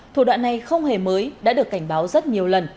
thủ đoạn này không hề mới đã được cảnh báo rất nhiều lần